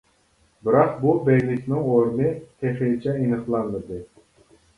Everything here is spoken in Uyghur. بىراق بۇ بەگلىكنىڭ ئورنى تېخىچە ئېنىقلانمىدى.